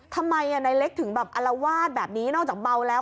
ทำไมในเล็กถึงอารวาสแบบนี้นอกจากเบาแล้ว